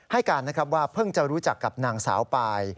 ให้การนะครับว่าเพิ่งจะรู้จักกับนางสาวปาย